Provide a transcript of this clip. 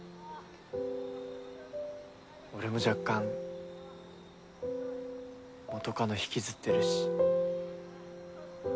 俺も若干元カノ引きずってるし。